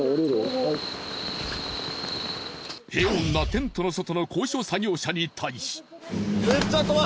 平穏なテントの外の高所作業車に対し。